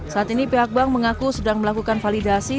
saat ini pihak bank mengaku sedang melakukan validasi